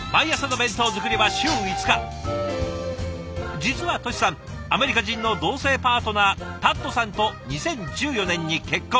実はトシさんアメリカ人の同性パートナータッドさんと２０１４年に結婚。